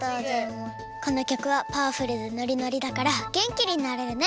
このきょくはパワフルでノリノリだからげんきになれるね。